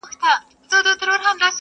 نه شاهین به یې له سیوري برابر کړي!!